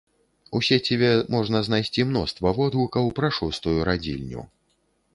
У сеціве можна знайсці мноства водгукаў пра шостую радзільню.